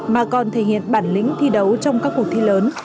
mà còn thể hiện bản lĩnh thi đấu trong các cuộc thi lớn